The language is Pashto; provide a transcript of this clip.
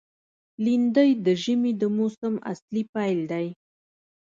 لېندۍ د ژمي د موسم اصلي پیل دی.